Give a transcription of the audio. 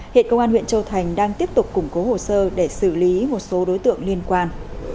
hiện công an huyện châu thành đang tiếp tục củng cố hồ sơ để xử lý một số đối tượng liên quan